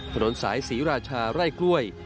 ถนนสายศรีราชาไร่กล้วย